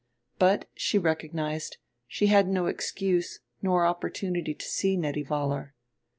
But, she recognized, she had no excuse nor opportunity to see Nettie Vollar.